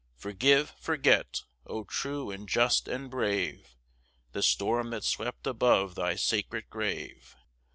Forgive, forget, O true and just and brave, The storm that swept above thy sacred grave!